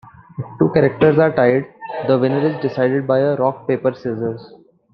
If two characters are tied, the winner is decided by a rock-paper-scissors.